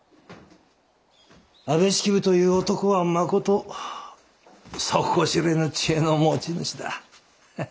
安部式部という男はまこと底知れぬ知恵の持ち主だ。